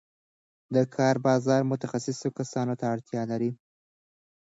د کار بازار متخصصو کسانو ته اړتیا لري.